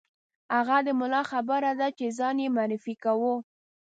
هغه د ملا خبره ده چې ځان یې معرفي کاوه.